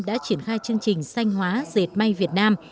đã triển khai chương trình xanh hóa dệt may việt nam